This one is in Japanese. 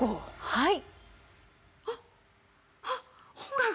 はい！